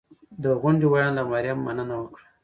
د غونډې ویاند له مریم مننه وکړه